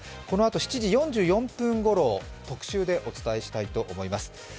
このあと７時４４分ごろ特集でお伝えしたいと思います。